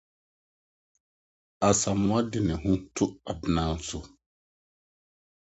Asamoa de ne ho to Abena so.